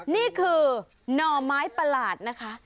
นี่คือหน่อไม้ประหลาดนะคะ